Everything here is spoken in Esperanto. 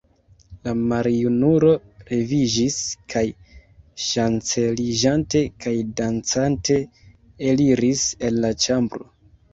La maljunulo leviĝis kaj, ŝanceliĝante kaj dancante, eliris el la ĉambro.